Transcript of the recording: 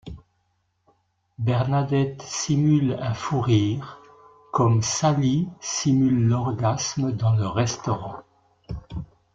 Bernadette simule un fou rire, comme Sally simule l’orgasme dans le restaurant.